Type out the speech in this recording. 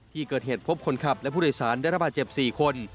ที่เกิดเหตุพบคนขับและผู้โดยสารได้ระบาดเจ็บ๔คน